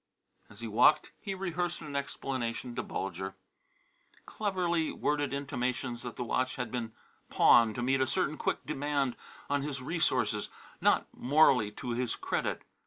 As he walked he rehearsed an explanation to Bulger: cleverly worded intimations that the watch had been pawned to meet a certain quick demand on his resources not morally to his credit.